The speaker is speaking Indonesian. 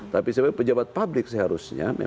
tapi sebagai pejabat publik seharusnya